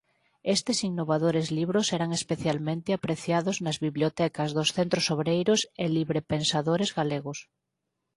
Estes innovadores libros eran especialmente apreciados nas bibliotecas dos centros obreiros e librepensadores galegos.